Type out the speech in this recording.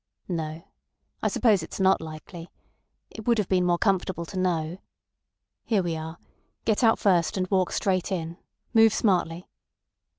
"No. I suppose it's not likely. It would have been more comfortable to know. ... Here we are. Get out first, and walk straight in. Move smartly."